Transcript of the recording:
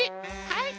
はい。